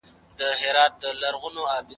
ساینس د سوزېدلي کاغذ لیکنه هم لولي.